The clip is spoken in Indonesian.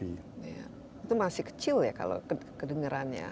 itu masih kecil ya kalau kedengerannya